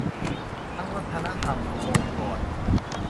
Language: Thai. ทั้งวัฒนธรรมองค์กร